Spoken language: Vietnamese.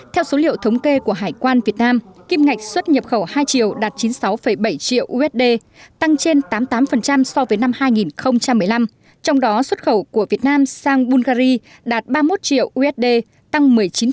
theo số liệu thống kê của hải quan việt nam kim ngạch xuất nhập khẩu hai triệu đạt chín mươi sáu bảy triệu usd tăng trên tám mươi tám so với năm hai nghìn một mươi năm trong đó xuất khẩu của việt nam sang bulgari đạt ba mươi một triệu usd tăng một mươi chín